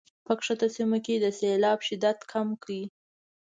په ښکته سیمو کې د سیلاب شدت کم کړي.